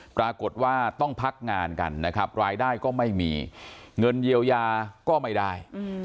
ปรากฏว่าต้องพักงานกันนะครับรายได้ก็ไม่มีเงินเยียวยาก็ไม่ได้